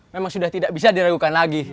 memang sudah tidak bisa diragukan lagi